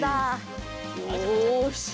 よし。